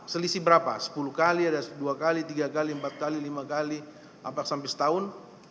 selisih berapa sepuluh kali ada dua kali tiga kali empat kali lima kali empat sampai setahun